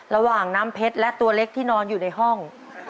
น้ำเพชรและตัวเล็กที่นอนอยู่ในห้อง